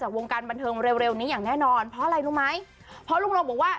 ตอนนี้มีถึง๔เรื่องด้วยกันเอาไปฟังเสียงของแกหน่อยค่ะ